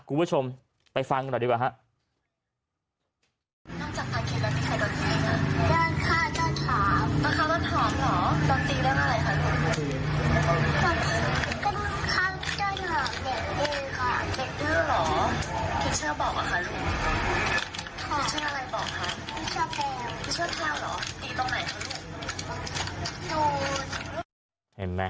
กลุ่มผู้ชมไปฟังกันดีกว่าครับ